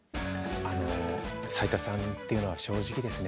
あの斉田さんっていうのは正直ですね。